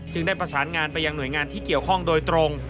ได้ประสานงานไปยังหน่วยงานที่เกี่ยวข้องโดยตรง